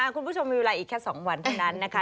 คุณผู้ชมมีเวลาอีกแค่๒วันเท่านั้นนะคะ